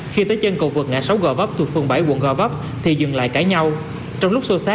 khi tới chân cầu vực ngã sáu gò vấp thuộc phường bảy quận gò vấp thì dừng lại cãi nhau